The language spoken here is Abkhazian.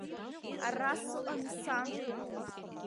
Ара сыҟами, сан!